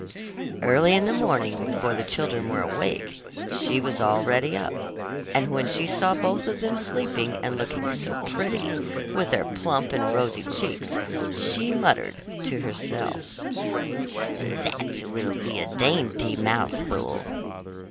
Early in the morning before the children were awake, she was already up, and when she saw both of them sleeping and looking so pretty, with their plump and rosy cheeks she muttered to herself: 'That will be a dainty mouthful!